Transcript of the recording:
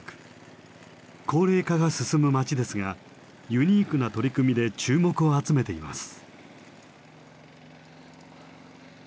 高齢化が進む町ですがユニークな取り組みで注目を集めています。